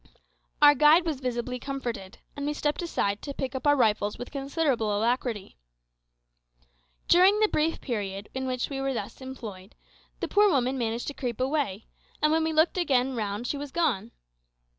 Our guide was visibly comforted, and we stepped aside to pick up our rifles with considerable alacrity. During the brief period in which we were thus employed, the poor woman managed to creep away, and when we again looked round she was gone.